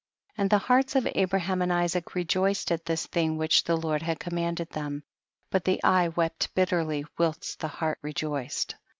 64. And the hearts of Abraham and Isaac rejoiced at this thing which the Lord had commanded them ; but the eye wept bitterly whilst the heart rejoiced.